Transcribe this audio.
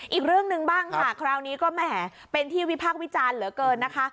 อีกเรื่องหนึ่งบ้างค่ะคราวนี้ก็แหมเป็นที่วิพากษ์วิจารณ์เหลือเกินนะคะ